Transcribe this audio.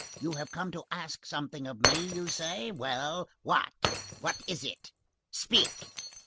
You have come to ask something of me, you say? Well, what? What is it? Speak!"